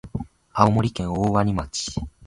青森県大鰐町